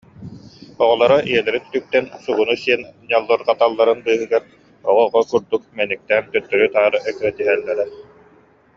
Оҕолоро ийэлэрин үтүктэн сугуну сиэн ньаллырҕаталларын быыһыгар, оҕо-оҕо курдук мэниктээн төттөрү-таары эккирэтиһэллэрэ